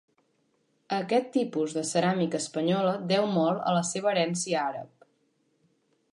Aquest tipus de ceràmica espanyola deu molt a la seva herència àrab.